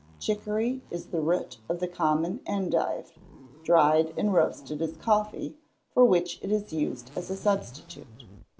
_ Chicory is the root of the common endive, dried and roasted as coffee, for which it is used as a substitute.